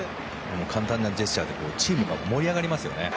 簡単なジェスチャーですがチームも盛り上がりますよね。